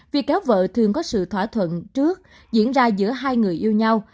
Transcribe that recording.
việc kéo vợ thường có sự thỏa thuận trước diễn ra giữa hai người yêu nhau